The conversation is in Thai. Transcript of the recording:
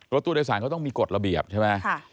รถตู้โดยสารก็ต้องมีกฎระเบียบใช่มั้ยน่ะครับค่ะ